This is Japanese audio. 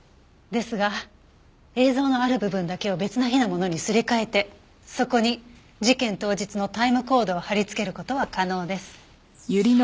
ですが映像のある部分だけを別な日のものにすり替えてそこに事件当日のタイムコードを貼り付ける事は可能です。